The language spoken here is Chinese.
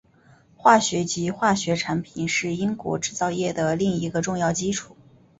化学及化学产品是英国制造业的另一个重要基础。